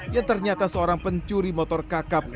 yang ternyata seorang pencuri motor kakap